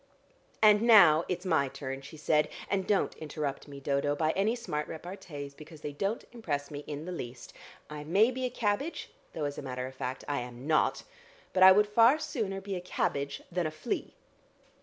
"And now it's my turn," she said, "and don't interrupt me, Dodo, by any smart repartees, because they don't impress me in the least. I may be a cabbage though as a matter of fact, I am not but I would far sooner be a cabbage than a flea."